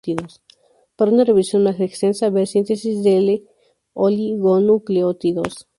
Para una revisión más extensa, ver síntesis de oligonucleótidos.